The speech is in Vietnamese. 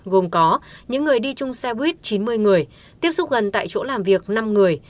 gồm có những người đi chung xe buýt chín mươi người tiếp xúc gần tại chỗ làm việc năm người